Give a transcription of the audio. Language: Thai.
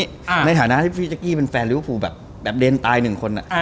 ถามวันนี้ในฐานะที่พี่จักกี้เป็นแฟนหรือครูแบบเด้นตายหนึ่งคนน่ะ